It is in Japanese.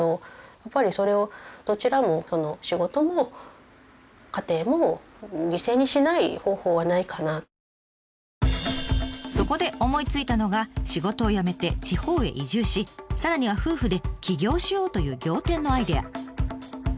やっぱりそれをどちらもそこで思いついたのが仕事を辞めて地方へ移住しさらには夫婦で起業しようという仰天のアイデア。